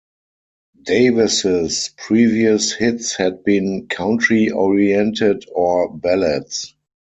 Davis's previous hits had been country-oriented or ballads.